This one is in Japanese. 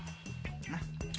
なっ？